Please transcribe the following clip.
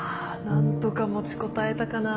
なんとか持ちこたえたかな。